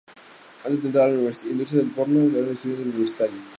Antes de entrar en la industria del porno, era estudiante universitaria.